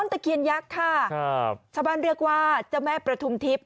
ตะเคียนยักษ์ค่ะครับชาวบ้านเรียกว่าเจ้าแม่ประทุมทิพย